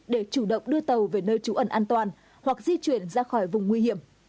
để chủ động đưa tàu về nơi trú ẩn an toàn hoặc di chuyển ra khỏi vùng nguy hiểm